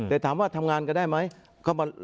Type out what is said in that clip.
แต่ถามว่าทำงานกันได้ไหม